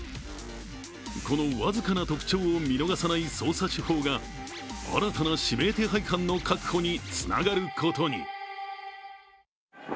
この僅かな特徴を見逃さない捜査手法が新たな指名手配犯の確保につながることに。